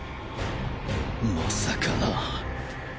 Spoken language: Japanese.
まさかな。